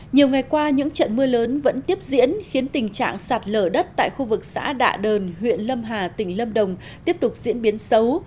nhiều ngày qua những trận mưa lớn vẫn tiếp diễn khiến tình trạng sạt lở đất tại khu vực xã đạ đờn huyện lâm hà tỉnh lâm đồng tiếp tục diễn biến xấu